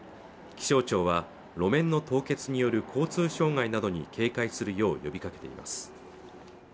気象庁は路面の凍結による交通障害などに警戒するよう呼びかけています